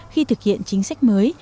khi thực hiện chính sách mới